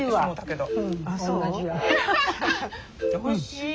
おいしいわ。